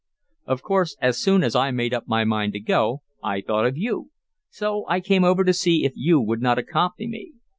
"Of course, as soon as I made up my mind to go I thought of you. So I came over to see if you would not accompany me.